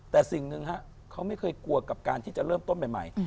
แต่สิ่งหนึ่งฮะเขาไม่เคยกลัวกับการที่จะเริ่มต้นใหม่